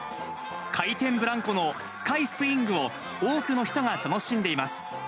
回転ブランコのスカイ・スイングを多くの人が楽しんでいます。